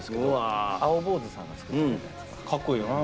かっこいいよな。